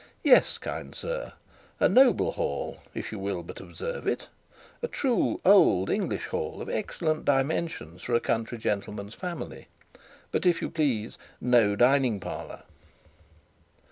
Yes, kind sir; a noble hall, if you will but observe it; a true old English hall of excellent dimensions for a country gentleman's family; but, if you please, no dining parlour.